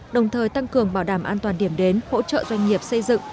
đồng thời tăng cường bảo đảm an toàn điểm đến hỗ trợ doanh nghiệp xây dựng